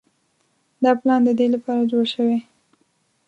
دا پلان د دې لپاره جوړ شوی.